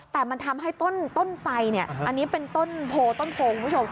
แต่มันทำให้ต้นไสเนี่ยอันนี้เป็นต้นโพต้นโพคุณผู้ชม